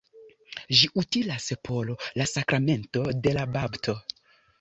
Ĝi utilas por la sakramento de la bapto.